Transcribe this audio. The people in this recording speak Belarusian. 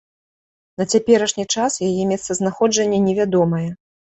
На цяперашні час яе месцазнаходжанне не вядомае.